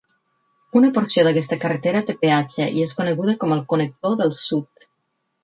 Una porció d'aquesta carretera té peatge i és coneguda com el "Connector del Sud".